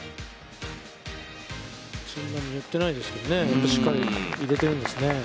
そんなに寄ってないですけどね、しっかり入れてるんですね。